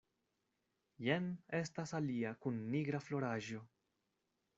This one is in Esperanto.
Jen estas alia kun nigra floraĵo.